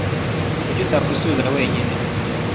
kuki utakwisubiza wenyine